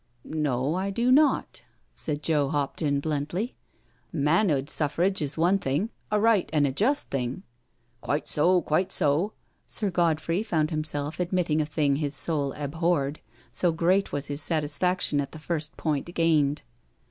" No, I do not," said Joe Hopton bluntly. Man 'ood suffrage is one thing— a right an' a just thing. ..•'*" Quite so, quite so. ..." Sir Godfrey found him self admitting a thing his soul abhorred, so great was his satisfaction at the first point gained.